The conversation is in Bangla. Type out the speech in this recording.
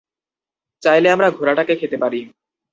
চাইলে আমরা ঘোড়া টাকে খেতে পারি।